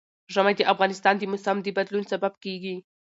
ژمی د افغانستان د موسم د بدلون سبب کېږي.